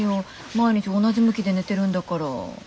毎日同じ向きで寝てるんだから。